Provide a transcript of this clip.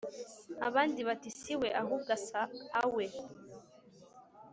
Abandi bati siwe ahubwo asa awe